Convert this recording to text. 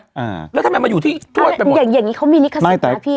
อ่าแล้วทำไมมาอยู่ที่ถ้วยแบบอย่างอย่างงี้เขามีลิขสิทธิ์นะพี่